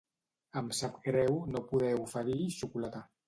Em sap greu no poder oferir xocolata.